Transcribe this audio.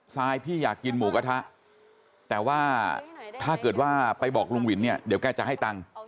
ซายพี่อยากกินหมูกระทะแต่ว่าถ้าเกิดว่าไปบอกลุงวินเนี่ยเดี๋ยวแกจะให้ตังค์